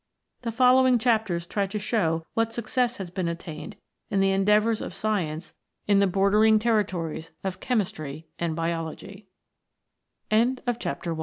The following chapters try to show what success has been attained in the endeavours of Science in the bordering territories of Chemistry and